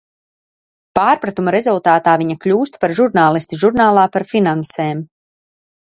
Pārpratuma rezultātā viņa kļūst par žurnālisti žurnālā par finansēm.